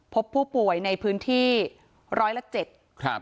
พบผู้ป่วยในพื้นที่ร้อยละ๗